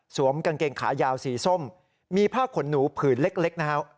กางเกงขายาวสีส้มมีผ้าขนหนูผืนเล็กนะฮะ